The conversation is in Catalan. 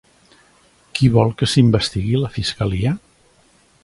Qui vol que s'investigui la fiscalia?